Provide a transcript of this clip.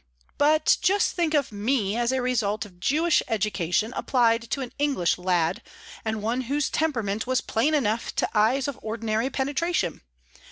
But just think of me as a result of Jewish education applied to an English lad, and one whose temperament was plain enough to eyes of ordinary penetration.